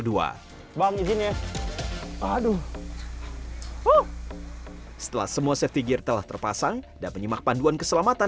hai bang izin ya aduh setelah semua safety gear telah terpasang dan menyimak panduan keselamatan